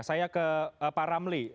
saya ke pak ramli